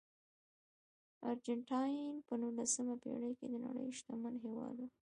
ارجنټاین په نولسمه پېړۍ کې د نړۍ شتمن هېواد و.